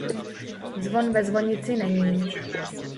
Zvon ve zvonici není.